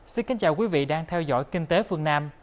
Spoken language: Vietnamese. xin kính chào quý vị đang theo dõi kinh tế phương nam